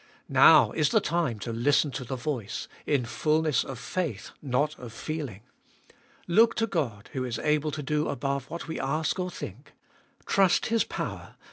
Now is the time to listen to the voice — In fulness of faith, not of feeling ! Look to God, who is able to do above what we ask or think. Trust His power.